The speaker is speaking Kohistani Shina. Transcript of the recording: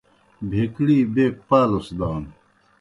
بہکڑی بیک پالُس دانوْ۔